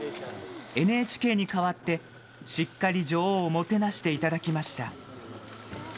ＮＨＫに代わって、しっかり女王をもてなしていただきました。